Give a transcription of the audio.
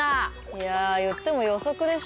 いや言っても予測でしょ？